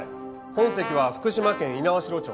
本籍は福島県猪苗代町。